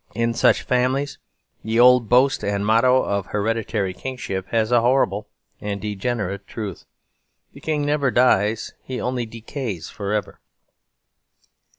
In such families the old boast and motto of hereditary kingship has a horrible and degenerate truth. The king never dies; he only decays for ever.